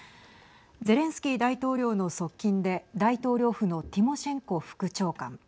ゼレンスキー大統領の側近で大統領府のティモシェンコ副長官。